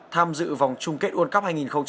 tham dự vòng chung kết world cup hai nghìn một mươi tám